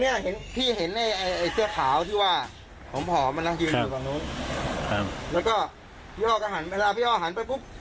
แล้วก็พี่ฮ่าก็หันเวลาพี่ฮ่าหันไปปุ๊บ